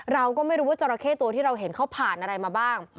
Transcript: เราก็ไม่รู้ว่าจราเข้ตัวที่เราเห็นเขาผ่านอะไรมาบ้าง